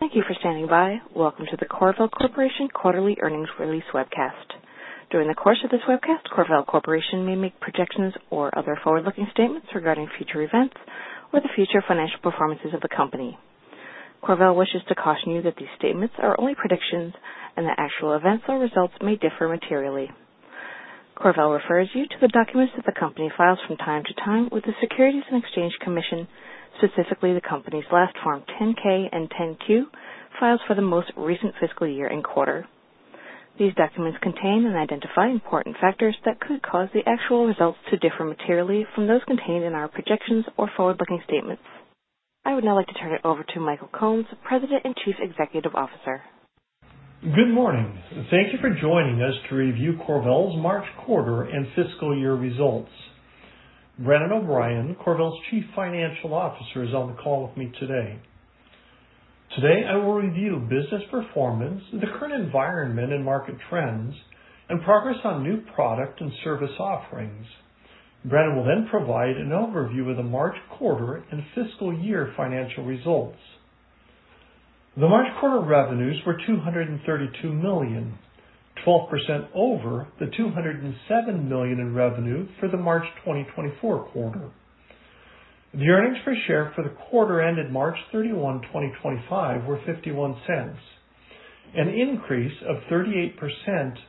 Thank you for standing by. Welcome to the CorVel Corporation Quarterly Earnings Release webcast. During the course of this webcast, CorVel Corporation may make projections or other forward-looking statements regarding future events or the future financial performances of the company. CorVel wishes to caution you that these statements are only predictions, and the actual events or results may differ materially. CorVel refers you to the documents that the company files from time to time with the Securities and Exchange Commission, specifically the company's last Form 10-K and 10-Q files for the most recent fiscal year and quarter. These documents contain and identify important factors that could cause the actual results to differ materially from those contained in our projections or forward-looking statements. I would now like to turn it over to Michael Combs, President and Chief Executive Officer. Good morning. Thank you for joining us to review CorVel's March quarter and fiscal year results. Brandon O'Brien, CorVel's Chief Financial Officer, is on the call with me today. Today, I will review business performance, the current environment and market trends, and progress on new product and service offerings. Brandon will then provide an overview of the March quarter and fiscal year financial results. The March quarter revenues were $232 million, 12% over the $207 million in revenue for the March 2024 quarter. The earnings per share for the quarter ended March 31, 2025, were $0.51, an increase of 38%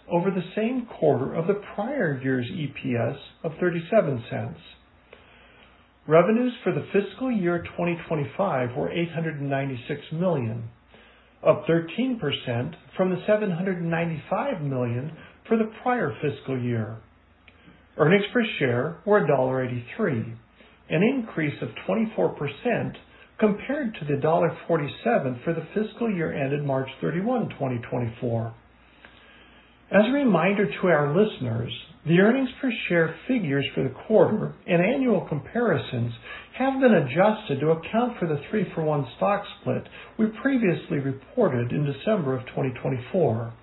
over the same quarter of the prior year's EPS of $0.37. Revenues for the fiscal year 2025 were $896 million, up 13% from the $795 million for the prior fiscal year. Earnings per share were $1.83, an increase of 24% compared to the $1.47 for the fiscal year ended March 31, 2024. As a reminder to our listeners, the earnings per share figures for the quarter and annual comparisons have been adjusted to account for the three-for-one stock split we previously reported in December of 2024.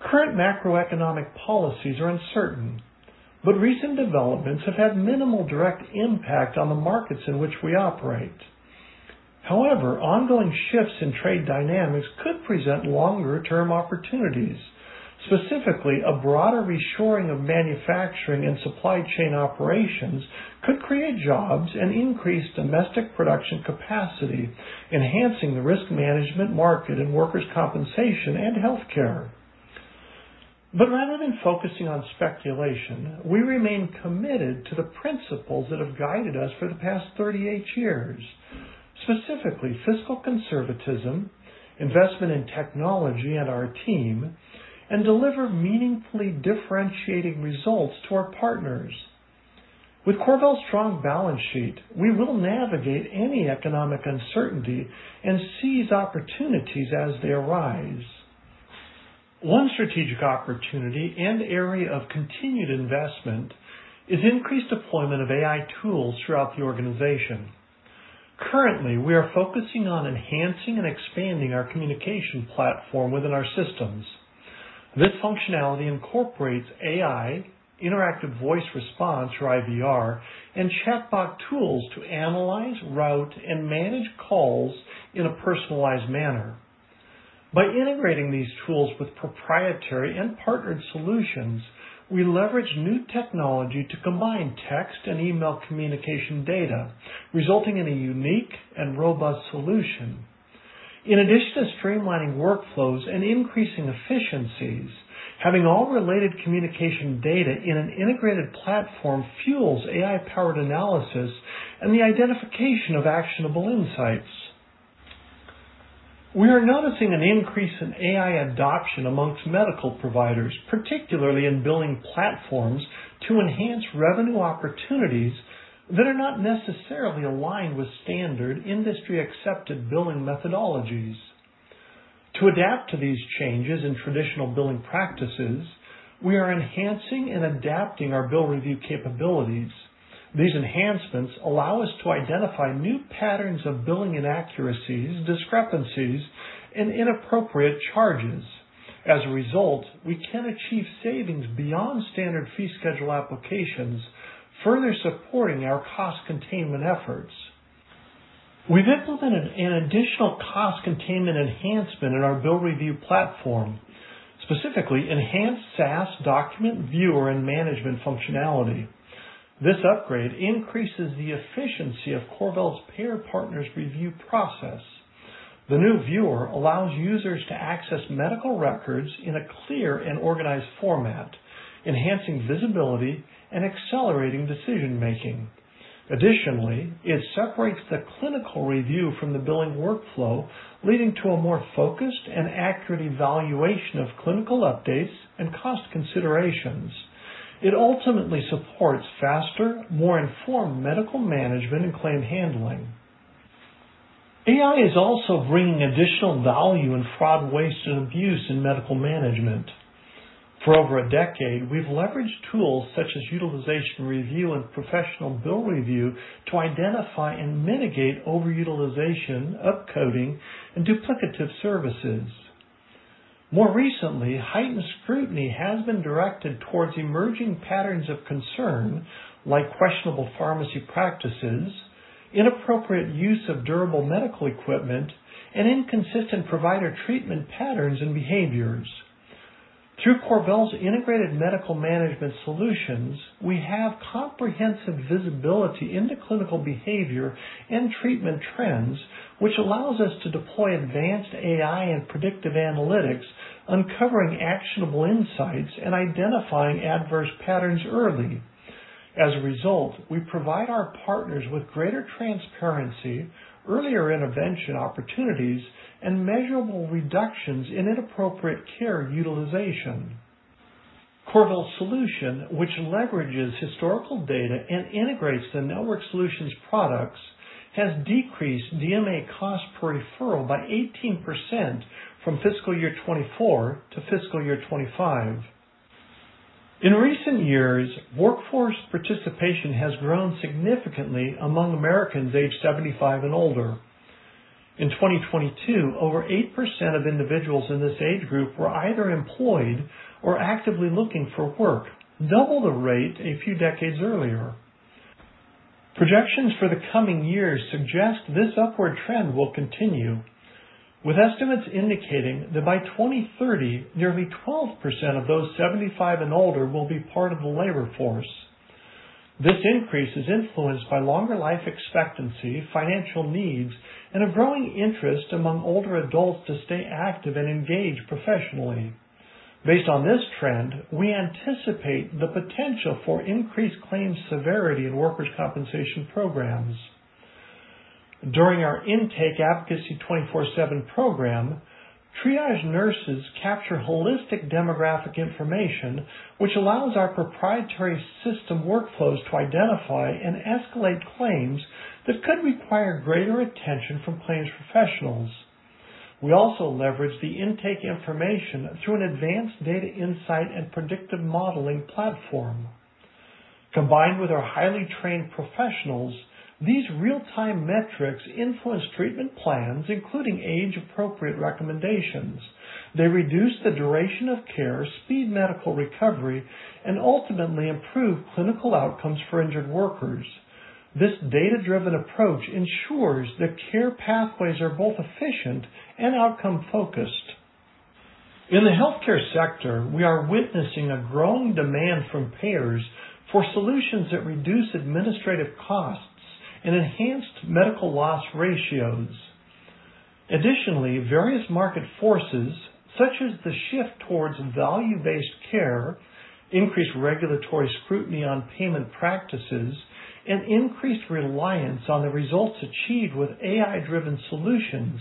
Current macroeconomic policies are uncertain, but recent developments have had minimal direct impact on the markets in which we operate. However, ongoing shifts in trade dynamics could present longer-term opportunities, specifically a broader reshoring of manufacturing and supply chain operations could create jobs and increase domestic production capacity, enhancing the risk management market in workers' compensation and healthcare. Rather than focusing on speculation, we remain committed to the principles that have guided us for the past 38 years, specifically fiscal conservatism, investment in technology and our team, and deliver meaningfully differentiating results to our partners. With CorVel's strong balance sheet, we will navigate any economic uncertainty and seize opportunities as they arise. One strategic opportunity and area of continued investment is increased deployment of AI tools throughout the organization. Currently, we are focusing on enhancing and expanding our communication platform within our systems. This functionality incorporates AI, interactive voice response, or IVR, and chatbot tools to analyze, route, and manage calls in a personalized manner. By integrating these tools with proprietary and partnered solutions, we leverage new technology to combine text and email communication data, resulting in a unique and robust solution. In addition to streamlining workflows and increasing efficiencies, having all related communication data in an integrated platform fuels AI-powered analysis and the identification of actionable insights. We are noticing an increase in AI adoption amongst medical providers, particularly in billing platforms to enhance revenue opportunities that are not necessarily aligned with standard industry-accepted billing methodologies. To adapt to these changes in traditional billing practices, we are enhancing and adapting our bill review capabilities. These enhancements allow us to identify new patterns of billing inaccuracies, discrepancies, and inappropriate charges. As a result, we can achieve savings beyond standard fee schedule applications, further supporting our cost containment efforts. We've implemented an additional cost containment enhancement in our bill review platform, specifically enhanced SaaS document viewer and management functionality. This upgrade increases the efficiency of CorVel's payer partners review process. The new viewer allows users to access medical records in a clear and organized format, enhancing visibility and accelerating decision-making. Additionally, it separates the clinical review from the billing workflow, leading to a more focused and accurate evaluation of clinical updates and cost considerations. It ultimately supports faster, more informed medical management and claim handling. AI is also bringing additional value in fraud, waste, and abuse in medical management. For over a decade, we've leveraged tools such as utilization review and professional bill review to identify and mitigate overutilization, upcoding, and duplicative services. More recently, heightened scrutiny has been directed towards emerging patterns of concern, like questionable pharmacy practices, inappropriate use of durable medical equipment, and inconsistent provider treatment patterns and behaviors. Through CorVel's integrated medical management solutions, we have comprehensive visibility into clinical behavior and treatment trends, which allows us to deploy advanced AI and predictive analytics, uncovering actionable insights and identifying adverse patterns early. As a result, we provide our partners with greater transparency, earlier intervention opportunities, and measurable reductions in inappropriate care utilization. CorVel's solution, which leverages historical data and integrates the network solution's products, has decreased DME cost per referral by 18% from fiscal year 2024 to fiscal year 2025. In recent years, workforce participation has grown significantly among Americans aged 75 and older. In 2022, over 8% of individuals in this age group were either employed or actively looking for work, double the rate a few decades earlier. Projections for the coming years suggest this upward trend will continue, with estimates indicating that by 2030, nearly 12% of those 75 and older will be part of the labor force. This increase is influenced by longer life expectancy, financial needs, and a growing interest among older adults to stay active and engage professionally. Based on this trend, we anticipate the potential for increased claims severity in workers' compensation programs. During our Intake Advocacy 24/7 program, triaged nurses capture holistic demographic information, which allows our proprietary system workflows to identify and escalate claims that could require greater attention from claims professionals. We also leverage the intake information through an advanced data insight and predictive modeling platform. Combined with our highly trained professionals, these real-time metrics influence treatment plans, including age-appropriate recommendations. They reduce the duration of care, speed medical recovery, and ultimately improve clinical outcomes for injured workers. This data-driven approach ensures that care pathways are both efficient and outcome-focused. In the healthcare sector, we are witnessing a growing demand from payers for solutions that reduce administrative costs and enhance medical loss ratios. Additionally, various market forces, such as the shift towards value-based care, increased regulatory scrutiny on payment practices, and increased reliance on the results achieved with AI-driven solutions,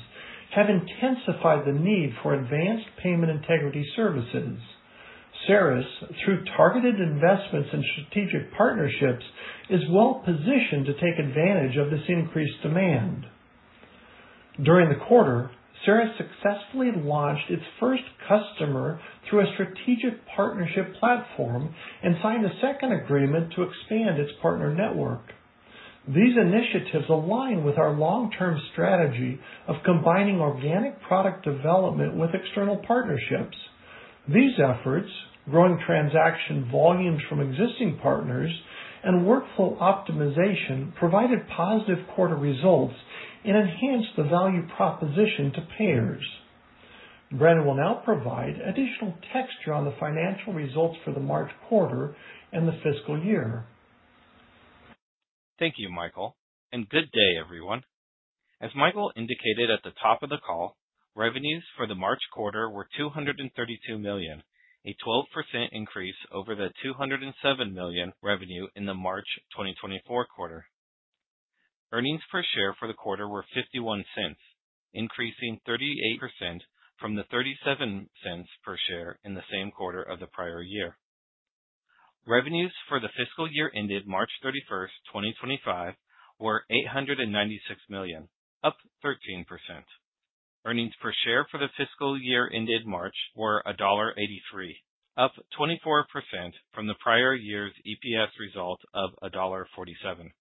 have intensified the need for advanced payment integrity services. CERIS, through targeted investments and strategic partnerships, is well-positioned to take advantage of this increased demand. During the quarter, CERIS successfully launched its first customer through a strategic partnership platform and signed a second agreement to expand its partner network. These initiatives align with our long-term strategy of combining organic product development with external partnerships. These efforts, growing transaction volumes from existing partners and workflow optimization, provided positive quarter results and enhanced the value proposition to payers. Brandon will now provide additional texture on the financial results for the March quarter and the fiscal year. Thank you, Michael, and good day, everyone. As Michael indicated at the top of the call, revenues for the March quarter were $232 million, a 12% increase over the $207 million revenue in the March 2024 quarter. Earnings per share for the quarter were $0.51, increasing 38% from the $0.37 per share in the same quarter of the prior year. Revenues for the fiscal year ended March 31, 2025, were $896 million, up 13%. Earnings per share for the fiscal year ended March were $1.83, up 24% from the prior year's EPS result of $1.47.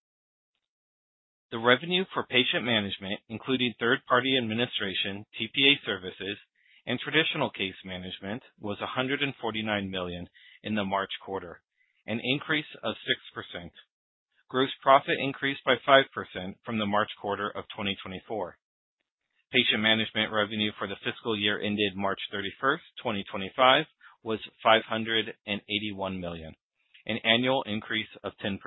The revenue for Patient Management, including third-party administration, TPA services, and traditional case management, was $149 million in the March quarter, an increase of 6%. Gross profit increased by 5% from the March quarter of 2024. Patient Management revenue for the fiscal year ended March 31, 2025, was $581 million, an annual increase of 10%.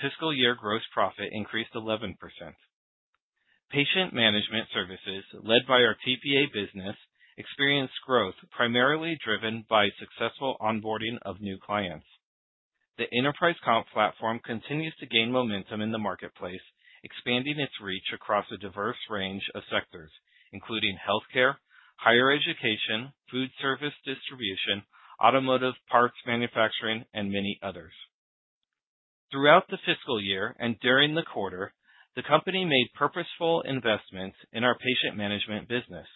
Fiscal year gross profit increased 11%. Patient Management services, led by our TPA business, experienced growth primarily driven by successful onboarding of new clients. The Enterprise Comp platform continues to gain momentum in the marketplace, expanding its reach across a diverse range of sectors, including healthcare, higher education, food service distribution, automotive parts manufacturing, and many others. Throughout the fiscal year and during the quarter, the company made purposeful investments in our Patient Management business,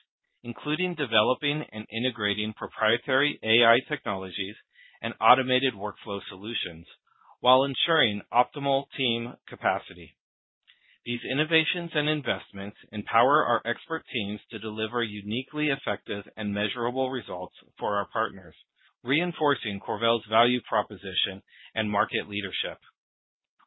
including developing and integrating proprietary AI technologies and automated workflow solutions, while ensuring optimal team capacity. These innovations and investments empower our expert teams to deliver uniquely effective and measurable results for our partners, reinforcing CorVel's value proposition and market leadership.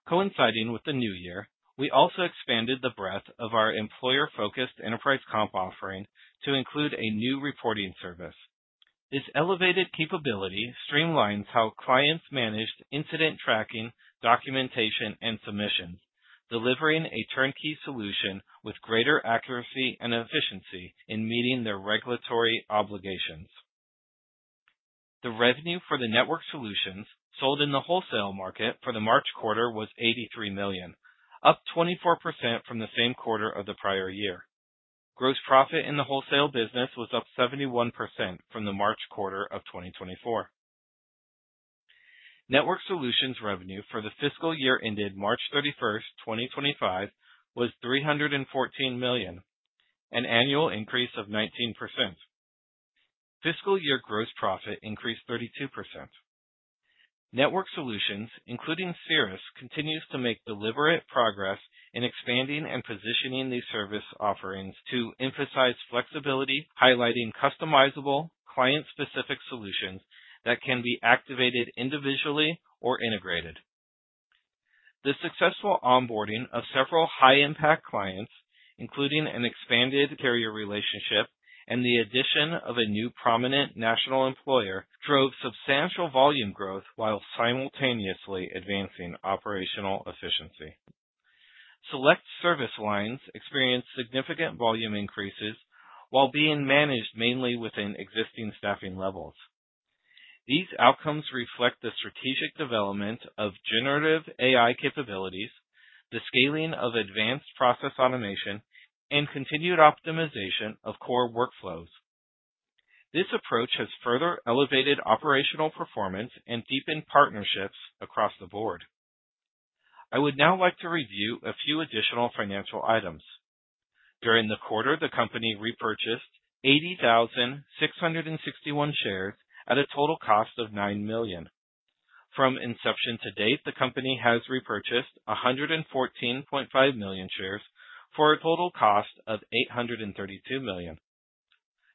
Coinciding with the new year, we also expanded the breadth of our employer-focused Enterprise Comp offering to include a new reporting service. This elevated capability streamlines how clients manage incident tracking, documentation, and submissions, delivering a turnkey solution with greater accuracy and efficiency in meeting their regulatory obligations. The revenue for the Network Solutions sold in the wholesale market for the March quarter was $83 million, up 24% from the same quarter of the prior year. Gross profit in the wholesale business was up 71% from the March quarter of 2024. Network Solutions revenue for the fiscal year ended March 31, 2025, was $314 million, an annual increase of 19%. Fiscal year gross profit increased 32%. Network Solutions, including CERIS, continues to make deliberate progress in expanding and positioning these service offerings to emphasize flexibility, highlighting customizable, client-specific solutions that can be activated individually or integrated. The successful onboarding of several high-impact clients, including an expanded carrier relationship and the addition of a new prominent national employer, drove substantial volume growth while simultaneously advancing operational efficiency. Select service lines experienced significant volume increases while being managed mainly within existing staffing levels. These outcomes reflect the strategic development of generative AI capabilities, the scaling of advanced process automation, and continued optimization of core workflows. This approach has further elevated operational performance and deepened partnerships across the board. I would now like to review a few additional financial items. During the quarter, the company repurchased 80,661 shares at a total cost of $9 million. From inception to date, the company has repurchased 114.5 million shares for a total cost of $832 million.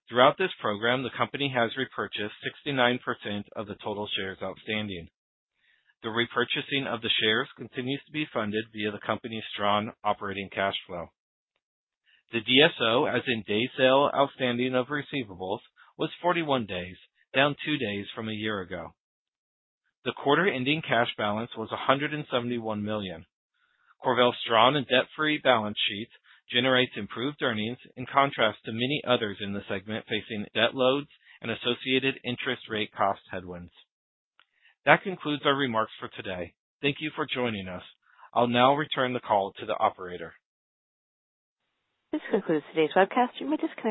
Throughout this program, the company has repurchased 69% of the total shares outstanding. The repurchasing of the shares continues to be funded via the company's strong operating cash flow. The DSO, as in days sales outstanding of receivables, was 41 days, down two days from a year ago. The quarter-ending cash balance was $171 million. CorVel's strong and debt-free balance sheet generates improved earnings in contrast to many others in the segment facing debt loads and associated interest rate cost headwinds. That concludes our remarks for today. Thank you for joining us. I'll now return the call to the operator. This concludes today's webcast. You may.